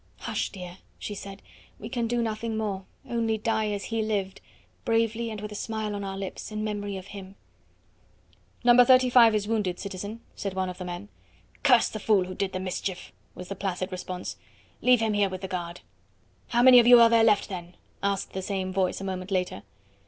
"Hush, dear!" she said. "We can do nothing more, only die, as he lived, bravely and with a smile on our lips, in memory of him." "Number 35 is wounded, citizen," said one of the men. "Curse the fool who did the mischief," was the placid response. "Leave him here with the guard." "How many of you are there left, then?" asked the same voice a moment later.